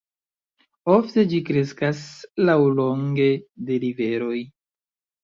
Ofte ĝi kreskas laŭlonge de riveroj.